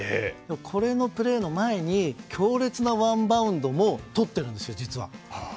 このプレーの前に強烈なワンバウンドをとっているんですよ、実は。